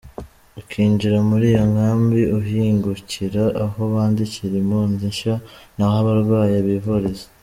Ukinjira muri iyo nkambi, uhingukira aho bandikira impunzi nshya n’aho abarwaye bivuriza.